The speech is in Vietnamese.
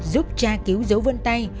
giúp tra cứu dấu vân tay